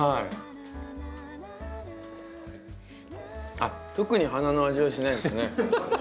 あっ特に花の味はしないですね。